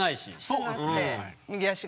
そうですねはい。